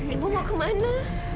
ibu mau ke mana